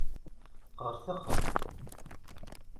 Ɣer texxamt.